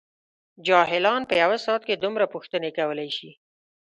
جاهلان په یوه ساعت کې دومره پوښتنې کولای شي.